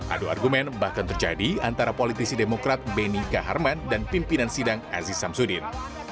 adu argumen bahkan terjadi antara politisi demokrat beni kaharman dan pimpinan sidang aziz samsudin